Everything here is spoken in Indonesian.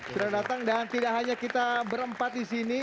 sudah datang dan tidak hanya kita berempat disini